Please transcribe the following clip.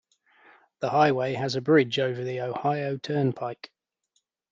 The highway has a bridge over the Ohio Turnpike.